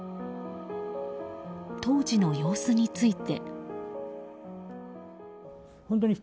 当時の様子について。